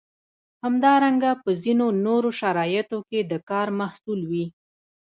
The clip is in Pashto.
همدارنګه په ځینو نورو شرایطو کې د کار محصول وي.